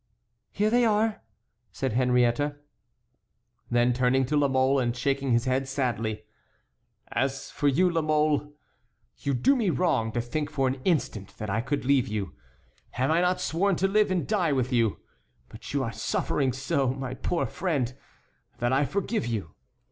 "Here they are," said Henriette. Then turning to La Mole, and shaking his head sadly: "As for you, La Mole, you do me wrong to think for an instant that I could leave you. Have I not sworn to live and die with you? But you are suffering so, my poor friend, that I forgive you."